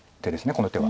この手は。